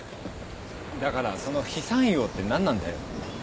だからその「ひさんいを」って何なんだよ。